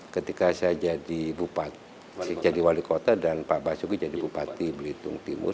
ketika saya jadi bupati jadi wali kota dan pak basuki jadi bupati belitung timur